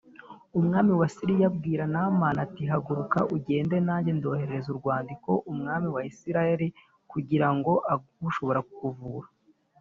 Umwami wa Siriya abwira Namani ati haguruka ugende nanjye ndoherereza urwandiko umwami wa Isirayeli kugira ngo aguhe ushobora kukuvura.